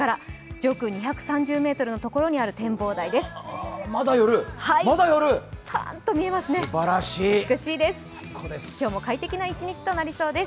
上空２３０ｍのところにある展望台です。